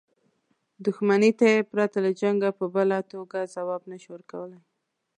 دښمنۍ ته یې پرته له جنګه په بله توګه ځواب نه شو ورکولای.